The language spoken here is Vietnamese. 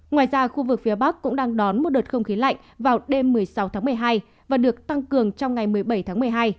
ngoài ra khu vực phía bắc cũng đang đón một đợt không khí lạnh vào đêm một mươi sáu tháng một mươi hai và được tăng cường trong ngày một mươi bảy tháng một mươi hai